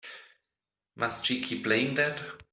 Must she keep playing that?